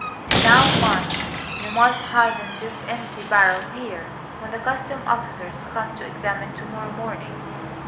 "Now mind, you must hide in this empty barrel, here, when the customs officers come to examine to morrow morning.